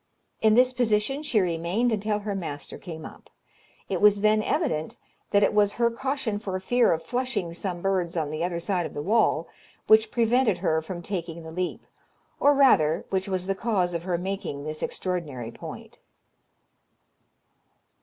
In this position she remained until her master came up. It was then evident that it was her caution for fear of flushing some birds on the other side of the wall, which prevented her from taking the leap, or rather, which was the cause of her making this extraordinary point.